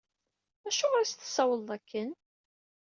Acuɣer i as-tessawleḍ akken?